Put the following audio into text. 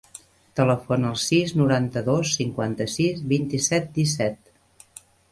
Telefona al sis, noranta-dos, cinquanta-sis, vint-i-set, disset.